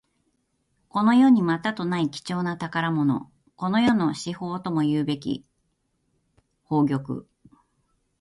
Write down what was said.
この世にまたとない貴重な宝物。この世の至宝ともいうべき宝玉。